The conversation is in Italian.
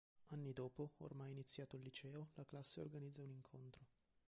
Anni dopo, ormai iniziato il liceo, la classe organizza un incontro.